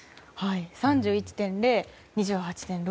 ３１．０と２８．６。